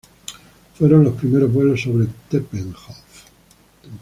Fueron los primeros vuelos sobre Tempelhof.